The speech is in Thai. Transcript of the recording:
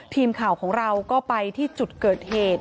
ทีมข่าวของเราก็ไปที่จุดเกิดเหตุ